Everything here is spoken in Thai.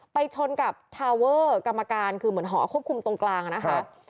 ชนกับทาเวอร์กรรมการคือเหมือนหอควบคุมตรงกลางนะคะ